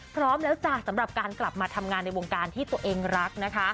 พร้อมแล้วจ้ะสำหรับการกลับมาทำงานในวงการที่ตัวเองรักนะคะ